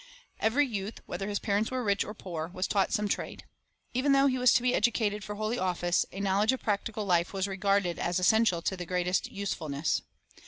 Every youth, whether his parents were rich or poor, was taught some trade. Even though he was to be educated for holy office, a knowledge of practical life was regarded as essential to the greatest usefulness.